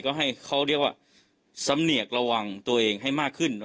ก็ให้เขาเรียกว่าสำเนียกระวังตัวเองให้มากขึ้น